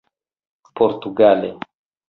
portugale